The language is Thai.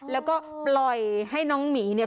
แล้วก็ปล่อยให้น้องหมีเนี่ย